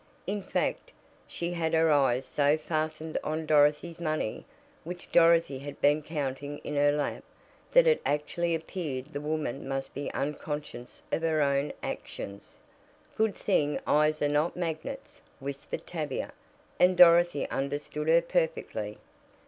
In fact, she had her eyes so fastened on Dorothy's money, which Dorothy had been counting in her lap, that it actually appeared the woman must be unconscious of her own actions. "Good thing eyes are not magnets," whispered Tavia, and Dorothy understood her perfectly.